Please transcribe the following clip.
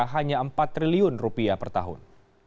hanya rp empat triliun per tahun